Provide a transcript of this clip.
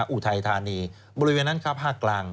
อุทัยธานีบริเวณนั้นครับภาคกลาง